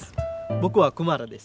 僕はクマラです。